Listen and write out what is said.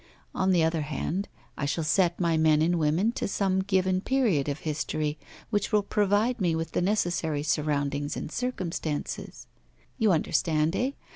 On the other hand, I shall set my men and women in some given period of history, which will provide me with the necessary surroundings and circumstances, you understand, eh?